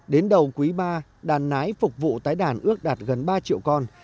đến đầu quý ba đàn nái phục vụ tái đàn ước đạt gần ba triệu con